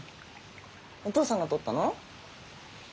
お父さんが撮ったの？